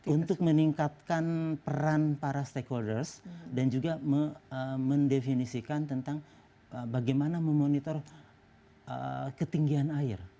untuk meningkatkan peran para stakeholders dan juga mendefinisikan tentang bagaimana memonitor ketinggian air